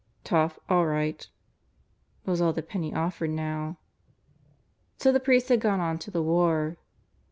"Tough, all right," was all that Penney offered now. So the priest had to go on to the War.